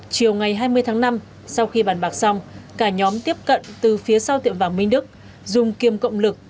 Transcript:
chiều ngày hai mươi tháng năm sau khi bàn bạc xong cả nhóm tiếp cận từ phía sau tiệm vàng minh đức dùng kiêm cộng lực